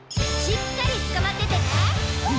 しっかりつかまっててね！